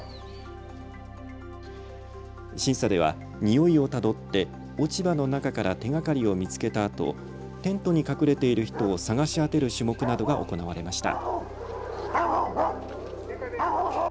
審査では、においをたどって落ち葉の中から手がかりを見つけたあとテントに隠れている人を捜し当てる種目などが行われました。